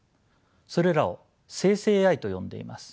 それらを生成ＡＩと呼んでいます。